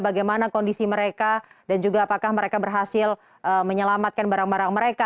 bagaimana kondisi mereka dan juga apakah mereka berhasil menyelamatkan barang barang mereka